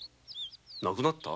無くなった？